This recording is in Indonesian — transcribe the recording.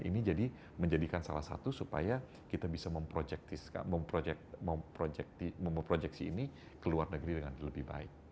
ini jadi menjadikan salah satu supaya kita bisa memprojeksi ini ke luar negeri dengan lebih baik